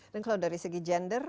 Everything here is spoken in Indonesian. dan kalau dari segi gender